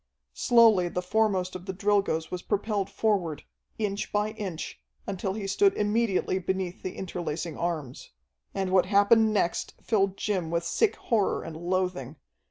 Slowly the foremost of the Drilgoes was propelled forward, inch by inch, until he stood immediately beneath the interlacing arms. And what happened next filled Jim with sick horror and loathing.